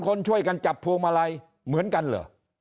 คนช่วยกันจับพวงมาลัยเหมือนกันเหรอ